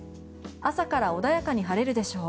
朝から穏やかに晴れるでしょう。